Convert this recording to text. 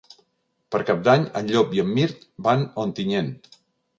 Per Cap d'Any en Llop i en Mirt van a Ontinyent.